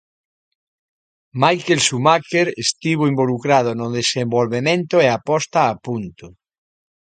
Michael Schumacher estivo involucrado no desenvolvemento e a posta a punto.